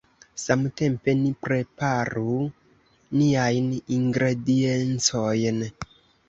Samtempe ni preparu niajn ingrediencojn.